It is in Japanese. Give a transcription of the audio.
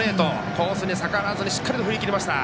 コースに逆らわずにしっかりと振り切りました。